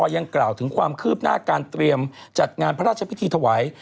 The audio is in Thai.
ยังกล่าวถึงความคืบหน้าการเตรียมจัดงานพระราชพิธีถวาย